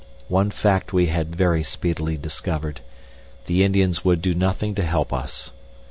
One fact we had very speedily discovered: The Indians would do nothing to help us.